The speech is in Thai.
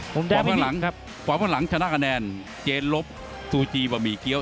ความหวังหลังชนะคะแนนเจนลบซูจิบะหมี่เกี้ยว